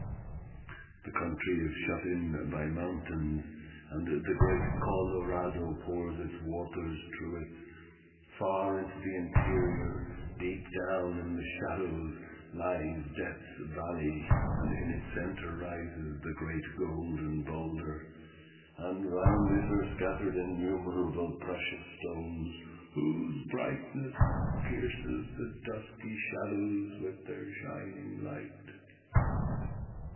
"The country is shut in by mountains, and the great Colorado pours its waters through it. Far into the interior, deep down in the shadows, lies Death's Valley, and in its center rises the great Golden Boulder, and round it are scattered innumerable precious stones, whose brightness pierces the dusky shadows with their shining light."